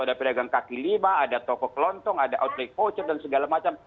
ada pedagang kaki lima ada toko kelontong ada outlet voucher dan segala macam